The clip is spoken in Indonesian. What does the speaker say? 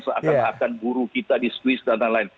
seakan akan guru kita di squeeze